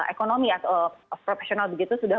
ekonomi atau profesional begitu sudah